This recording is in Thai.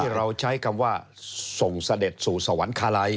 เราใช้คำว่าส่งเสด็จสู่สวรรคาลัย